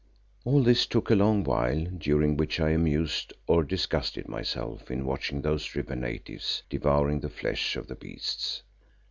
All this took a long while, during which I amused, or disgusted myself in watching those river natives devouring the flesh of the beasts.